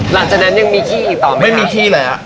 หลังจากนั้นยังมีที่อีกต่อไหมไม่มีที่เลยอ่ะ